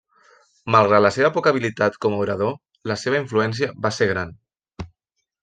Malgrat la seva poca habilitat com a orador, la seva influència va ser gran.